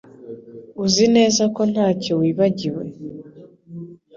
Uzi neza ko ntacyo wibagiwe